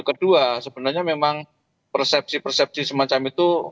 kedua sebenarnya memang persepsi persepsi semacam itu